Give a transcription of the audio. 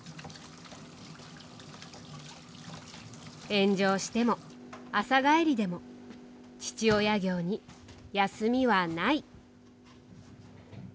炎上しても朝帰りでも父親業に休みはない。